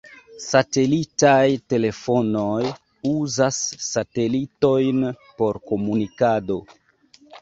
Satelitaj telefonoj uzas satelitojn por komunikado.